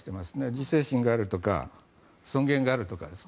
自制心があるとか尊厳があるとか。